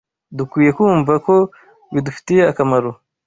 dukwiye kumva ko bidufitiye akamaro